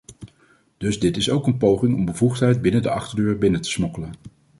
Dus dit is ook een poging om bevoegdheid binnen de achterdeur binnen te smokkelen.